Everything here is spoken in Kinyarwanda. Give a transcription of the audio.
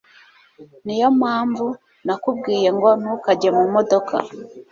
Niyo mpamvu nakubwiye ngo ntukajye mu modoka